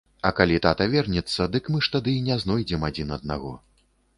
А калі тата вернецца, дык мы ж тады не знойдзем адзін аднаго.